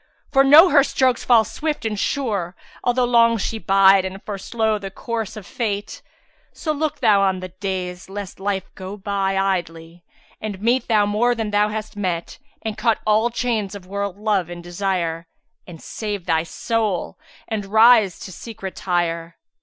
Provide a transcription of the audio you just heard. For know her strokes fall swift and sure, altho' * Long bide she and forslow the course of Fate: So look thou to thy days lest life go by * Idly, and meet thou more than thou hast met; And cut all chains of world love and desire * And save thy soul and rise to secrets higher."